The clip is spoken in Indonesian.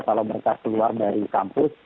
kalau mereka keluar dari kampus